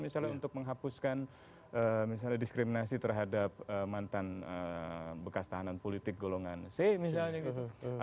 misalnya untuk menghapuskan misalnya diskriminasi terhadap mantan bekas tahanan politik golongan c misalnya gitu